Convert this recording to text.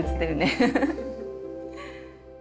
フフフッ。